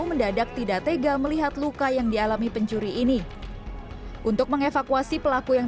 mendadak tidak tega melihat luka yang dialami pencuri ini untuk mengevakuasi pelaku yang